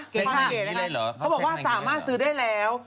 เขาบอกว่าสามารถซื้อได้แล้ว